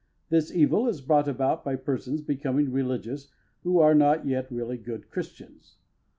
This evil is brought about by persons becoming religious who are not yet really good Christians.